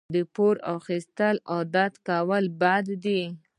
د پور اخیستل عادت کول بد دي.